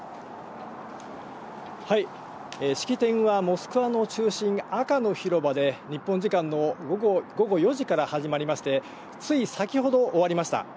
式典はモスクワの中心、赤の広場で、日本時間の午後４時から始まりまして、つい先ほど、終わりました。